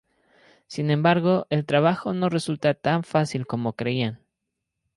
Sin embargo, el trabajo no resulta tan fácil como creían.